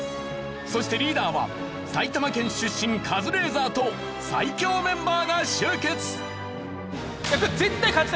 そしてリーダーは埼玉県出身カズレーザーと最強メンバーが集結！